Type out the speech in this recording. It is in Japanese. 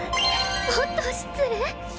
おっと失礼。